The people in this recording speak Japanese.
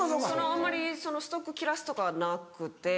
あまりストック切らすとかはなくて。